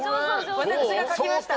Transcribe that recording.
私が描きました。